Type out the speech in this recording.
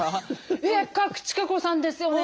「えっ賀来千香子さんですよね？」